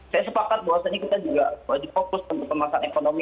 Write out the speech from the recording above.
saya sepakat bahwasanya kita juga harus difokus untuk pemasaran ekonomi